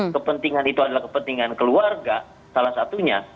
kepentingan itu adalah kepentingan keluarga salah satunya